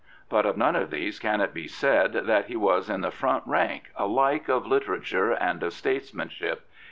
But of none of these can it be said that he was in the front rank alike of literature and of statesmanship.